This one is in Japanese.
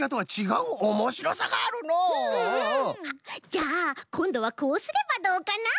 じゃあこんどはこうすればどうかな？